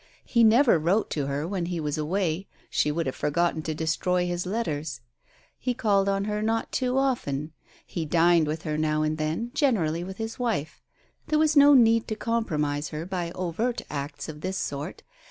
He never wrote to her when he was away; she would have forgotten to destroy his letters. He called on her not too often ; he dined with her now and then, generally with his wife. There was no need to compromise her by overt acts of this sort.